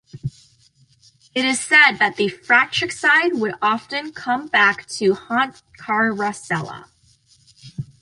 It is said that the fratricide would often come back to haunt Caracalla.